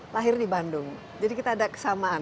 lahir di bandung jadi kita ada kesamaan